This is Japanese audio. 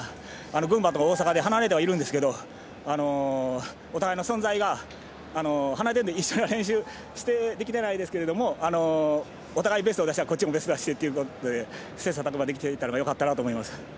群馬と大阪で離れてはいるんですけどお互いの存在が、離れていて一緒に練習はできてないですけどあっちがベストを出したらこっちもベスト出してって切さたく磨できていたのがよかったなと思います。